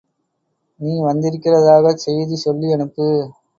நீ வந்திருக்கிறதாகச் செய்தி சொல்லி அனுப்பு.